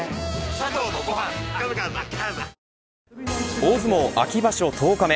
大相撲秋場所十日目。